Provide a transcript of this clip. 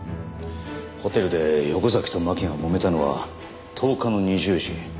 ホテルで横崎と巻がもめたのは１０日の２０時。